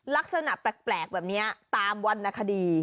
ลักษณะแปลกแบบนี้ตามวรรณคดี